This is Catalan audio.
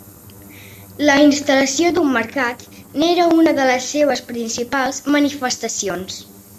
La instal·lació d'un mercat n'era una de les seves principals manifestacions.